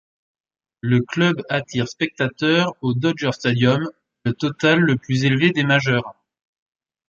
Le club attire spectateurs au Dodger Stadium, le total le plus élevé des majeures.